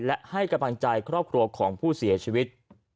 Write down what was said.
และให้กำลังใจครอบครัวของผู้เสียชีวิต